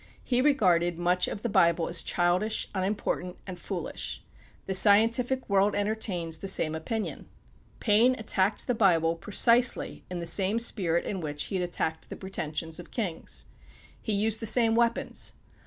He regarded much of the Bible as childish, unimportant, and foolish. The scientific world entertains the same opinion. Paine attacked the Bible precisely in the same spirit in which he had attacked the pretensions of kings. He used the same weapons.